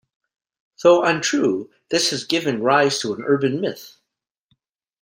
Though untrue, this has given rise to an urban myth.